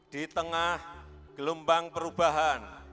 di tengah gelombang perubahan